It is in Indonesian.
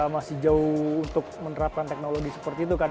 masih jauh untuk menerapkan teknologi seperti itu kan